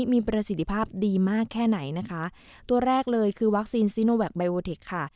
มีประสิทธิภาพดีมากแค่ไหนนะคะตัวแรกเลยคือวัคซีนซีโนแวคไบโอทิคค่ะ